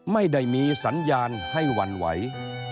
ไม่ได้มีสัญญาณให้หวั่นไหว